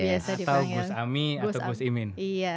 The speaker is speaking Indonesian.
atau gus ami atau gus imin